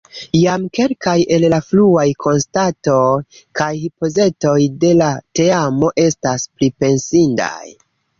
Jam kelkaj el la fruaj konstatoj kaj hipotezoj de la teamo estas pripensindaj.